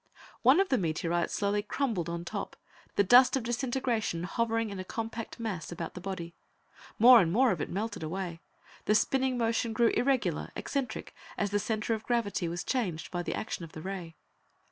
One of the meteorites slowly crumbled on top, the dust of disintegration hovering in a compact mass about the body. More and more of it melted away. The spinning motion grew irregular, eccentric, as the center of gravity was changed by the action of the ray.